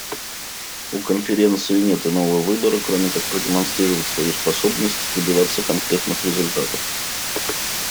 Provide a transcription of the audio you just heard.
У Конференции нет иного выбора, кроме как продемонстрировать свою способность добиваться конкретных результатов.